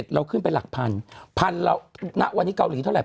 ๓๑เราขึ้นไปหลักพันพันเรานั้นวันนี้เกาหลีเท่าไหร่เปิด